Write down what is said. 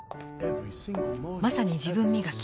まさに自分磨き。